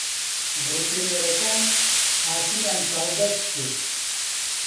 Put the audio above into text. ڕفێنەرەکان قاسمیان چاوبەست کرد.